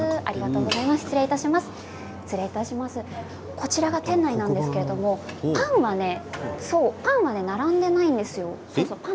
こちらが店内なんですけれどパンは並んでいないんです。